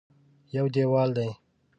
یو دېوال دی.